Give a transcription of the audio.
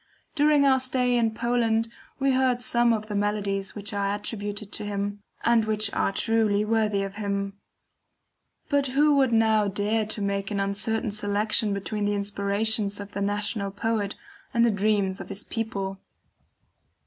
During our stay in Poland we heard some of the melodies which are attributed to him, and which are truly worthy of him; but who would now dare to make an uncertain selection between the inspirations of the national poet, and the dreams of his people?